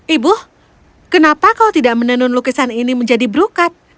ibu kenapa kau tidak menenun lukisan ini menjadi berukat